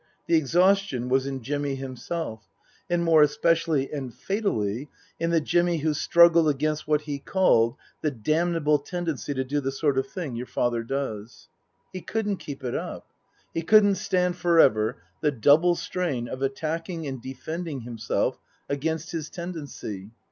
The exhaustion was in Jimmy himself, and more especially and fatally in the Jimmy who struggled against what he called " the damnable tendency to do the sort of thing your father does." He couldn't keep it up. He couldn't stand for ever the double strain of attacking and defending himself against his tendency.